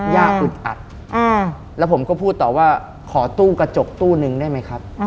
อึดอัดแล้วผมก็พูดต่อว่าขอตู้กระจกตู้นึงได้ไหมครับ